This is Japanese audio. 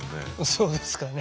そうですかね。